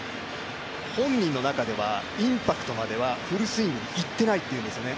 本人の中ではインパクトまではフルスイングいってないというんですね。